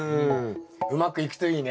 うまくいくといいね。